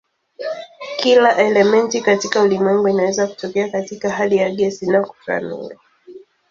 Kila elementi katika ulimwengu inaweza kutokea katika hali ya gesi na kutoa nuru.